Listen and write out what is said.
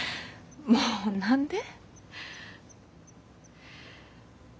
もう何で？